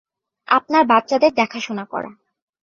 আপনার বাচ্চাদের দেখাশোনা করা।